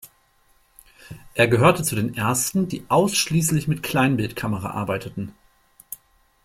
Er gehörte zu den ersten, die ausschließlich mit Kleinbildkamera arbeiteten.